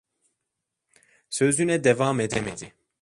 Sözüne devam edemedi.